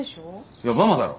いやママだろ？